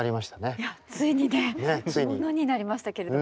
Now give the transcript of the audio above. いやついにね物になりましたけれども。